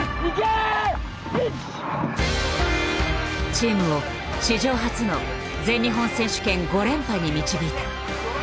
チームを史上初の全日本選手権５連覇に導いた。